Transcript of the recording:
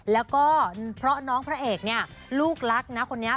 แล้วก็เพราะน้องพระเอกเนี่ยลูกรักนะคนนี้